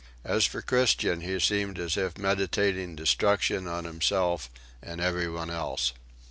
As for Christian he seemed as if meditating destruction on himself and everyone else.